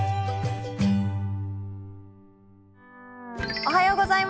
おはようございます。